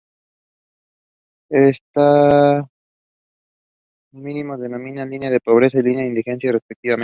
Estos mínimos se denominan "línea de pobreza" y "línea de indigencia" respectivamente.